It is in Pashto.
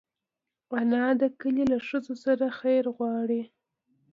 انا د کلي له ښځو سره خیر غواړي